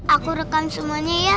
aku rekam semuanya ya